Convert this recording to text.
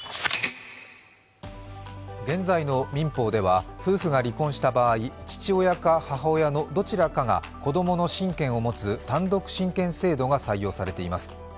現在の民法では、夫婦が離婚した場合、父親か母親のどちらかが子供の親権を持つ単独親権制度が採用されています。